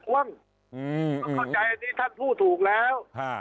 ต้องเข้าใจอันนี้ท่านพูดถูกแล้ว